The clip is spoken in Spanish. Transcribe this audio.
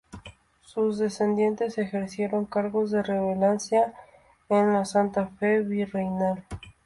Sus descendientes ejercieron cargos de relevancia en la Santa Fe virreinal.